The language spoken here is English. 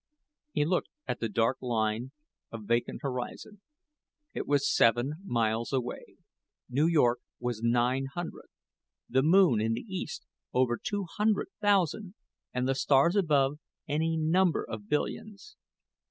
He looked at the dark line of vacant horizon. It was seven miles away; New York was nine hundred; the moon in the east over two hundred thousand, and the stars above, any number of billions.